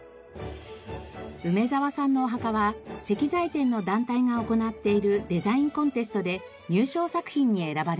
梅澤さんのお墓は石材店の団体が行っているデザインコンテストで入賞作品に選ばれました。